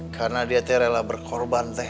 karena dia rela berkorban teh